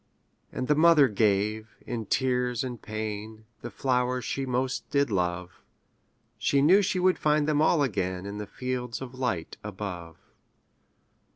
'' And the mother gave, in tears and pain, The flowers she most did love; She knew she should find them all again In the fields of light above.